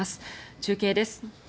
中継です。